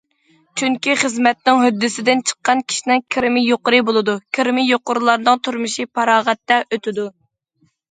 چۈنكى، خىزمەتنىڭ ھۆددىسىدىن چىققان كىشىنىڭ كىرىمى يۇقىرى بولىدۇ، كىرىمى يۇقىرىلارنىڭ تۇرمۇشى پاراغەتتە ئۆتىدۇ.